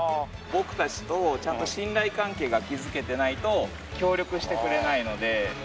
僕たちとちゃんと信頼関係が築けてないと協力してくれないので。